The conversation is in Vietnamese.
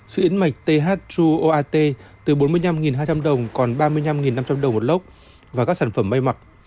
xuyến mạch th hai oat từ bốn mươi năm hai trăm linh đồng còn ba mươi năm năm trăm linh đồng một lốc và các sản phẩm bay mặt